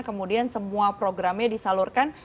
kemudian semua programnya disalurkan